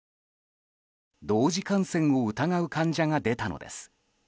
同時感染を疑う患者が出たのです。